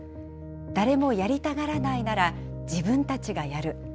誰もやりたがらないなら、自分たちがやる。